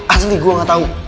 asli gue gak tau